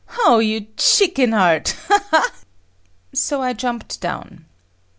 O, you chicken heart, ha, ha!" So I jumped down.